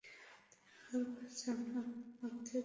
তুমি বারবার ঝামেলার মধ্যে যাও!